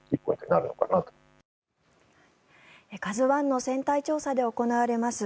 「ＫＡＺＵ１」の船体調査で行われます